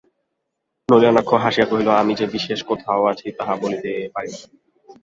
নলিনাক্ষ হাসিয়া কহিল, আমি যে বিশেষ কোথাও আছি তাহা বলিতে পারি না।